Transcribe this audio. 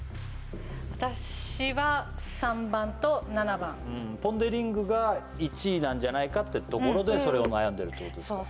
私は３番と７番ポン・デ・リングが１位なんじゃないかってところでそれを悩んでるってことですか？